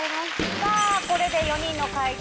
さぁこれで４人の開業